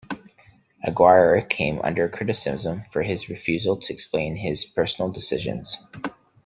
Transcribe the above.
Aguirre came under criticism for his refusal to explain his personnel decisions.